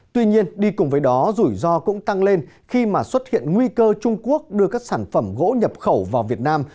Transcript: tuy nhiên đi cùng với đó rủi ro cũng tăng lên khi mà xuất hiện nguy cơ trung quốc đưa các sản phẩm gỗ nhập khẩu vào việt nam